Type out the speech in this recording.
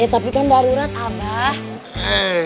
eh tapi kan darurat abah